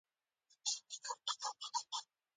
دا سیاست د طالباني فرهنګي بهیر ته لاره ورکړې ده